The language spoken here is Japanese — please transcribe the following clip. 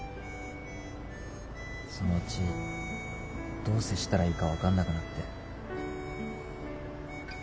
そのうちどう接したらいいか分かんなくなって。